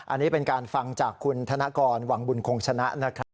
อันนี้เป็นการฟังจากคุณธนกรวังบุญคงชนะนะครับ